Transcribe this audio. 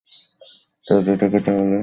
যদি ডাকে, তাহলে আমাদের প্রস্তুত থাকতে হবে।